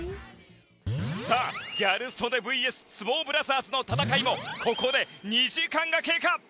さあギャル曽根ＶＳ相撲ブラザーズの戦いもここで２時間が経過。